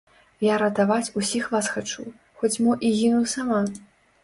Я ратаваць усіх вас хачу, хоць мо і гіну сама.